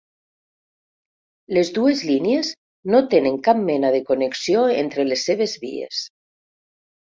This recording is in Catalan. Les dues línies no tenen cap mena de connexió entre les seves vies.